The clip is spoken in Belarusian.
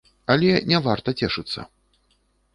Але не варта цешыцца.